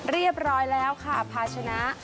เรียบร้อยแล้วค่ะภาชนะ